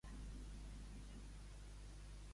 Les persones quina relació tenen amb Pangu?